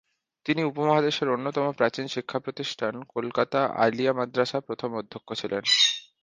তিনি উপমহাদেশের অন্যতম প্রাচীন শিক্ষাপ্রতিষ্ঠান কলকাতা আলিয়া মাদ্রাসা প্রথম অধ্যক্ষ ছিলেন।